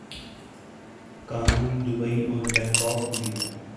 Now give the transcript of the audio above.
قانون دوبئی اور بنکاک میں بھی ہے۔